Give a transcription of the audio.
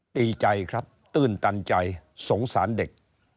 ตีใจครับตื้นตันใจสงสารเด็ก